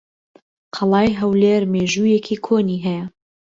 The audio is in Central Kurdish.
قەڵای هەولێر مێژوویەکی کۆنی ھەیە.